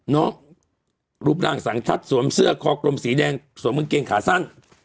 นอกรูปร่างสังทัศน์สวมเสื้อคอคลมสีแดงสวมเมืองเกลี้ยงขาสั้น